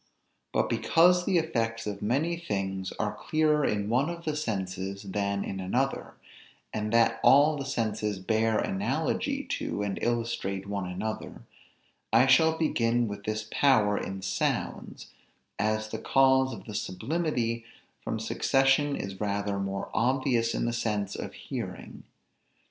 But because the effects of many things are clearer in one of the senses than in another, and that all the senses bear analogy to and illustrate one another, I shall begin with this power in sounds, as the cause of the sublimity from succession is rather more obvious in the sense of hearing.